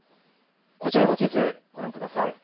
こちらの地図、ご覧ください。